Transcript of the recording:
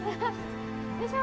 よいしょ。